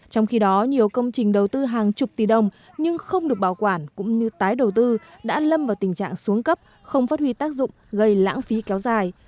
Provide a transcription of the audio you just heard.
trong khi đó nhiều công trình đầu tư hàng chục tỷ đồng nhưng không được bảo quản cũng như tái đầu tư đã lâm vào tình trạng xuống cấp không phát huy tác dụng gây lãng phí kéo dài